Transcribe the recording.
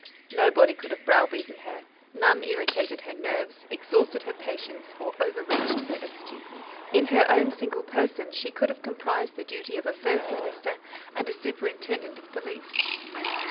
Nobody could have browbeaten her, none irritated her nerves, exhausted her patience, or over reached her astuteness. In her own single person, she could have comprised the duties of a first minister and a superintendent of police.